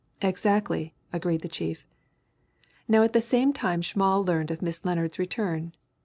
"Exactly," agreed the chief. "Now at the same time Schmall learned of Miss Lennard's return.